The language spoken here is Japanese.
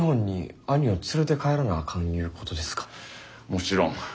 もちろん。